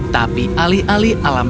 tapi alih alihnya mereka tidak tahu